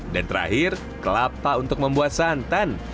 dan terakhir kelapa untuk membuat santan